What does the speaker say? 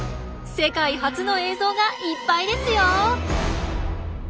世界初の映像がいっぱいですよ！